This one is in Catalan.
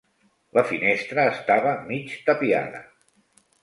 La finestra estava mig tapiada.